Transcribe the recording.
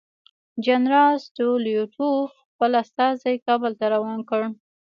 جنرال ستولیتوف خپل استازی کابل ته روان کړ.